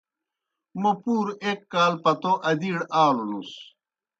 موْ پُوروْ ایْک کال پتو ادِیڑ آلوْنُس۔